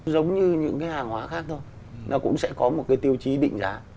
giống như những cái hàng hóa khác thôi nó cũng sẽ có một cái tiêu chí định giá